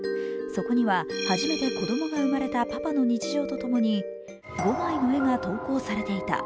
そこには、初めて子供が生まれたパパの日常と共に、５枚の絵が投稿されていた。